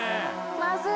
まずい。